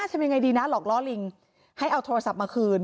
ทำยังไงดีนะหลอกล้อลิงให้เอาโทรศัพท์มาคืน